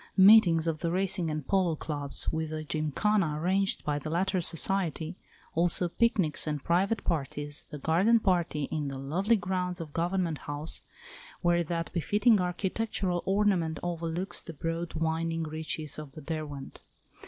Meetings of the Racing and Polo Clubs, with a gymkhana arranged by the latter society, also picnics and private parties, the Garden Party in the lovely grounds of Government House, where that befitting architectural ornament overlooks the broad winding reaches of the Derwent.